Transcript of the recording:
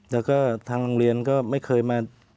แล้วก็ทางโรงเรียนก็ไม่เคยมา